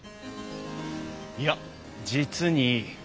いや実にいい。